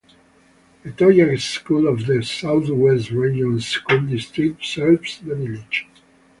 The Togiak School of the Southwest Region School District serves the village.